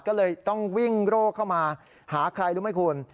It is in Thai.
ก็เลยต้องวิ่งโรคเข้ามาหาใครรู้ไหมคุณ